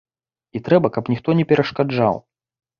І трэба, каб ніхто не перашкаджаў.